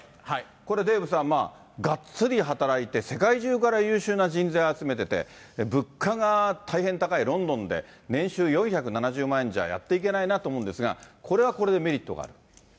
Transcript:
これデーブさん、がっつり働いて、世界中から優秀な人材を集めてて、物価が大変高いロンドンで、年収４７０万円じゃやっていけないなと思うんですが、これはこれデメリットがある？